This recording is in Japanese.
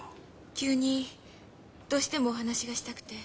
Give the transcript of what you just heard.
急にどうしてもお話がしたくて。